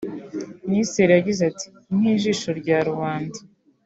Minisitiri yagize ati “Nk’ijisho rya rubanda